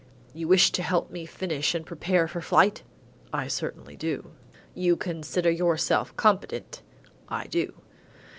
You wish to help me finish and prepare for flight?" "I sincerely do." "You consider yourself competent?" "I do."